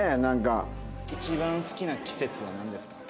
一番好きな季節はなんですか？